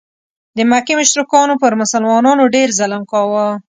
د مکې مشرکانو پر مسلمانانو ډېر ظلم کاوه.